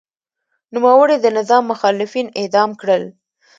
نوموړي د نظام مخالفین اعدام کړل.